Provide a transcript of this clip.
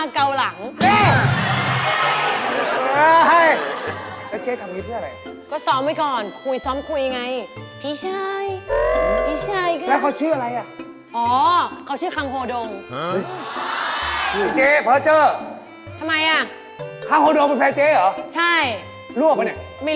เขาต้องขินอยู่ว่าเนื้อย่างเกาหลี